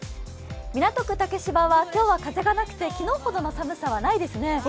港区竹芝は今日は風がなくて昨日ほどの寒さはないですね。